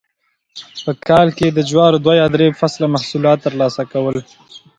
په کال کې یې د جوارو دوه یا درې فصله محصولات ترلاسه کول